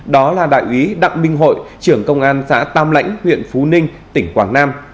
đó là đại úy đặng minh hội trưởng công an xã tam lãnh huyện phú ninh tỉnh quảng nam